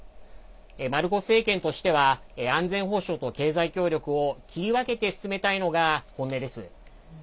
マルコス政権としては安全保障と経済協力を切り分けて進めたいのが本音です。